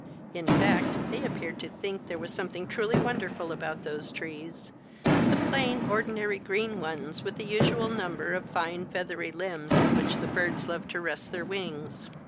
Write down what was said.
In fact, they appeared to think there was something truly wonderful about those trees the plain ordinary green ones with the usual number of fine feathery limbs in which the birds love to rest their wings.